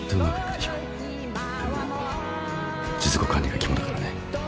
でも術後管理が肝だからね。